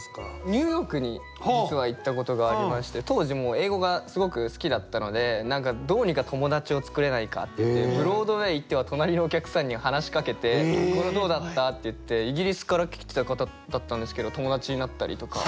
ニューヨークに実は行ったことがありまして当時もう英語がすごく好きだったのでどうにか友達を作れないかってブロードウェイ行っては隣のお客さんに話しかけて「これどうだった？」って言ってイギリスから来た方だったんですけど友達になったりとか。